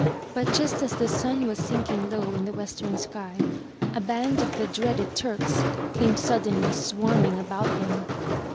But, just as the sun was sinking low in the western sky, a band of the dreaded Turks came suddenly swarming about them.